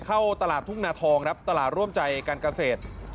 เข้าตลาดทุ่งนาทองครับตลาดร่วมใจการเกษตร